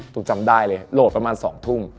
จำได้เลยโหลดประมาณ๒ทุ่ม